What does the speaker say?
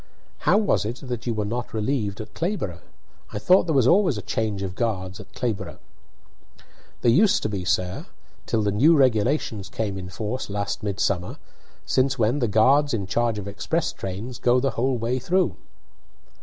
"How was it that you were not relieved at Clayborough? I thought there was always a change of guards at Clayborough." "There used to be, sir, till the new regulations came in force last midsummer, since when the guards in charge of express trains go the whole way through."